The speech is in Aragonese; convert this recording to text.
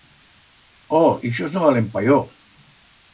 Oh, ixos no valen pa yo.